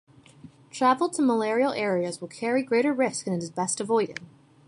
Travel to malarial areas will carry greater risks and is best avoided.